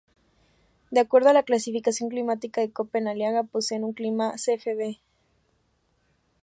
De acuerdo a la clasificación climática de Köppen Aliaga posee un clima "Cfb".